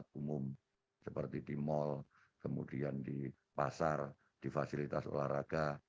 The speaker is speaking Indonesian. di tempat tempat umum seperti di mall kemudian di pasar di fasilitas olahraga